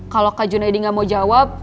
kalau kak junaidi nggak mau jawab